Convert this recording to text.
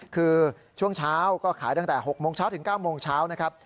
คือช่วงเช้าก็ขายตั้งแต่๖โมงเช้าถึง๙โมงเช้านะครับ